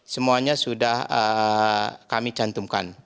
semuanya sudah kami cantumkan